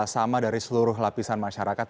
sama dari seluruh lapisan masyarakat